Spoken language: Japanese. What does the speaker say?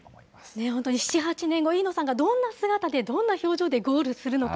本当に７、８年後、飯野さんがどんな姿で、どんな表情でゴールするのか。